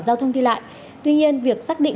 giao thông đi lại tuy nhiên việc xác định